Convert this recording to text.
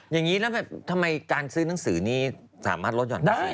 อย่างนี้แล้วแบบทำไมการซื้อหนังสือนี้สามารถลดห่อนได้